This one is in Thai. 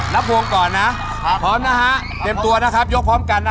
นักภวงก่อนนะพร้อมนะครับเต็มตัวนะยกพร้อมกัน